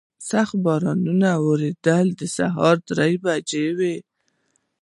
سخت باران ورېده، د سهار درې بجې به وې.